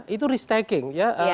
itu risk taking